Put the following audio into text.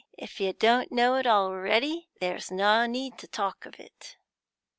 If you don't know it already, there's no need to talk of it."